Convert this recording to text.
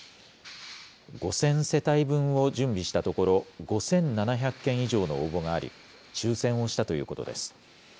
５０００世帯分を準備したところ、５７００件以上の応募があり、抽せんをしたということです。